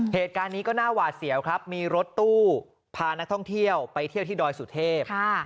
เหตุการณ์นี้ก็น่าหวาดเสียวครับมีรถตู้พานักท่องเที่ยวไปเที่ยวที่ดอยสุเทพ